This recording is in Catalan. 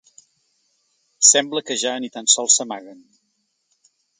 Sembla que ja ni tan sols s’amaguen.